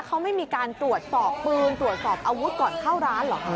เขาไม่มีการตรวจสอบปืนตรวจสอบอาวุธก่อนเข้าร้านเหรอคะ